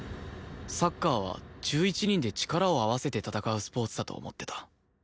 サッカーは１１人で力を合わせて戦うスポーツだと思ってた